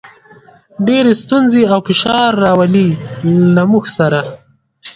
ډېرې ستونزې او فشار راولي، له موږ سره.